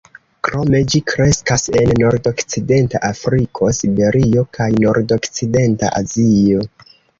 Krome ĝi kreskas en nordokcidenta Afriko, Siberio kaj nordokcidenta Azio.